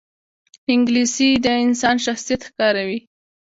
انګلیسي د انسان شخصیت ښکاروي